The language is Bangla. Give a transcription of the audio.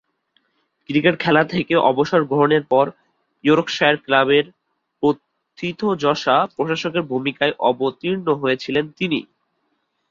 ক্রিকেট খেলা থেকে অবসর গ্রহণের পর ইয়র্কশায়ার ক্লাবের প্রথিতযশা প্রশাসকের ভূমিকায় অবতীর্ণ হয়েছিলেন তিনি।